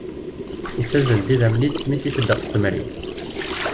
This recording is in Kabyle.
Yessazzel-d idammen-is mi i t-ifeddex s temri